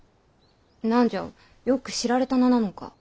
何じゃよく知られた名なのか。